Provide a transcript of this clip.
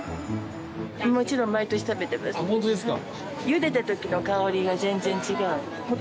あっホントですか？